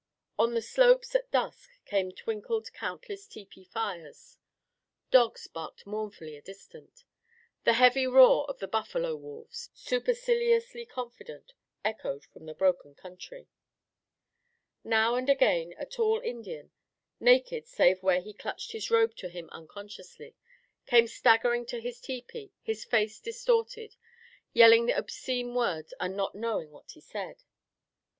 On the slopes as dusk came twinkled countless tepee fires. Dogs barked mournfully a distant. The heavy half roar of the buffalo wolves, superciliously confident, echoed from the broken country. Now and again a tall Indian, naked save where he clutched his robe to him unconsciously, came staggering to his tepee, his face distorted, yelling obscene words and not knowing what he said.